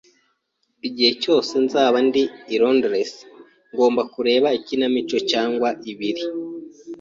Igihe cyose nzaba ndi i Londres, ngomba kureba ikinamico cyangwa ibiri.